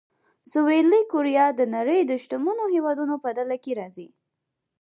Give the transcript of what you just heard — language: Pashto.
سویلي کوریا د نړۍ د شتمنو هېوادونو په ډله کې راځي.